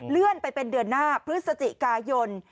เลื่อนไปเป็นเดือนหน้าพฤศจิกายน